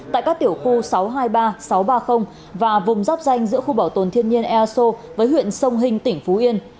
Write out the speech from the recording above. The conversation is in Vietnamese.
tại các tiểu khu sáu trăm hai mươi ba sáu trăm ba mươi và vùng dắp danh giữa khu bảo tồn thiên nhiên eso với huyện sông hình tỉnh phú yên